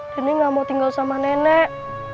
danny nggak mau tinggal sama nenek